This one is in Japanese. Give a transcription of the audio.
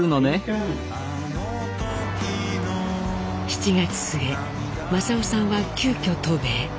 ７月末正雄さんは急きょ渡米。